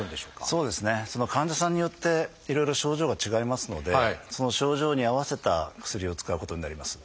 そうですねその患者さんによっていろいろ症状が違いますのでその症状に合わせた薬を使うことになります。